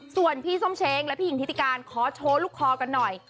ส่วนพี่ส้มเช้งและพี่หญิงทิติการขอโชว์ลูกคอกันหน่อย